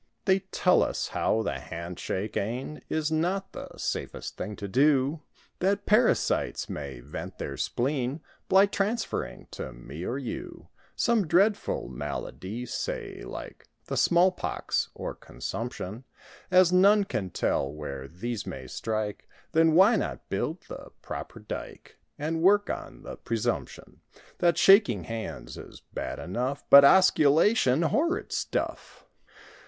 They tell us how the hand shake e'en Is not the safest thing to do; That parasites may "vent their spleen" By transferring to me or you— Some dreadful malady; say, like The smallpox or consumption; As none can tell where these may strike— Then, why not build the proper dyke And work on the presumption That shaking hands is bad enough— But osculation! Horrid stuff!